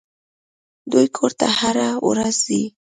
دوى کور ته هره ورځ ځي.